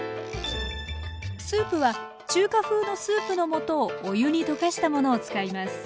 スープは中華風のスープの素をお湯に溶かしたものを使います。